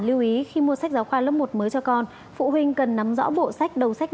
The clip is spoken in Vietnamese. lưu ý khi mua sách giáo khoa lớp một mới cho con phụ huynh cần nắm rõ bộ sách đầu sách